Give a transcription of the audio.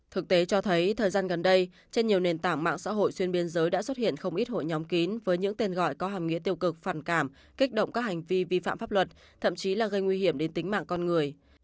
thực tế cho thấy thời gian gần đây trên nhiều nền tảng mạng xã hội xuyên biên giới đã xuất hiện không ít hội nhóm kín với những tên gọi có hàm nghĩa tiêu cực phản cảm kích động các hành vi vi phạm pháp luật thậm chí là gây nguy hiểm đến tính mạng con người